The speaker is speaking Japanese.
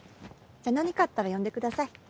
じゃあ何かあったら呼んでください。